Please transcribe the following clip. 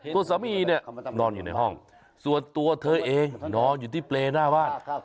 ตัวสามีเนี่ยนอนอยู่ในห้องส่วนตัวเธอเองนอนอยู่ที่เปรย์หน้าบ้าน